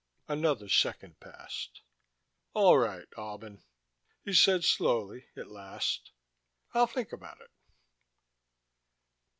Another second passed. "All right, Albin," he said slowly, at last. "I'll think about it.